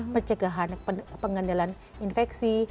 pencegahan pengendalan infeksi